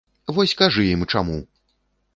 Вось кажы ім чаму!